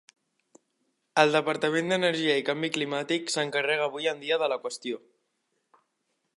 El Departament d'Energia i Canvi Climàtic s'encarrega avui en dia de la qüestió.